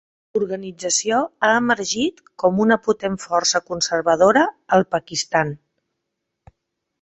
L'organització ha emergit com una "potent força conservadora" al Pakistan.